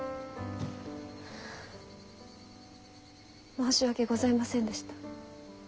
申し訳ございませんでした。